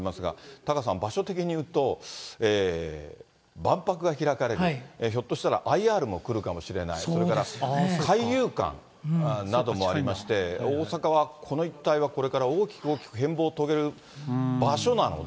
タカさん、場所的にいうと万博が開かれる、ひょっとしたらＩＲも来るかもしれない、それから海遊館などもありまして、大阪はこの一帯はこれから大きく大きく変貌を遂げる場所なので。